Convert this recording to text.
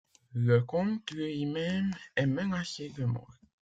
Le comte lui-même est menacé de mort.